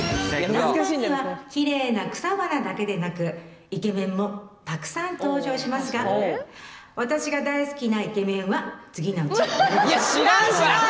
「らんまん」にはきれいな草花だけでなくイケメンもたくさん登場しますが私が大好きなイケメンは次のうち誰でしょう？